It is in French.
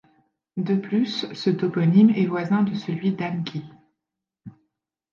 De plus, ce toponyme est voisin de celui d'Amqui.